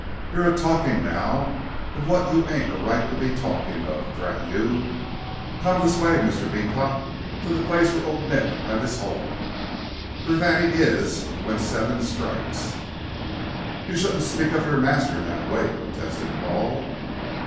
"Your a talking now of what you ain't a right to be a talkin' of, drat you. Come this way, Mr. Beecot, to the place where old Nick have his home, for that he is when seven strikes." "You shouldn't speak of your master in that way," protested Paul.